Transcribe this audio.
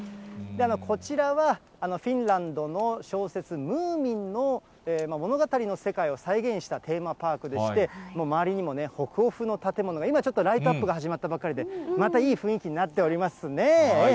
こちらは、フィンランドの小説、ムーミンの物語の世界を再現したテーマパークでして、周りにも北欧風の建物が、今ちょっとライトアップが始まったばっかりで、またいい雰囲気になっておりますね。